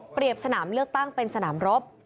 เปรียบสนามเลือกตั้งเป็นสนามรบ